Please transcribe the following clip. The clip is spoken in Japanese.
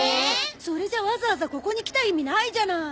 それじゃわざわざここに来た意味ないじゃない。